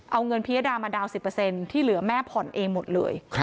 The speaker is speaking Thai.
เอาเงินพิยดามาดาวน๑๐ที่เหลือแม่ผ่อนเองหมดเลย